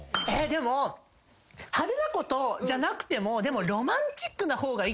でも派手なことじゃなくてもロマンチックな方がいいかなと思います。